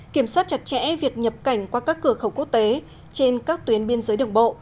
kiểm soát chặt chẽ việc nhập cảnh qua các cửa khẩu quốc tế trên các tuyến biên giới đường bộ